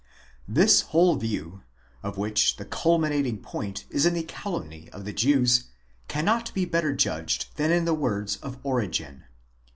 This whole view, of which the culminating point is in the calumny of the Jews, cannot be better judged than in the words of Origen.